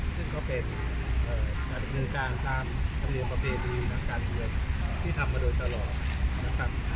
ซึ่งก็เป็นการดึงการตามทะเลียมประเภทดีทางการเรียนที่ทำมาโดยตลอด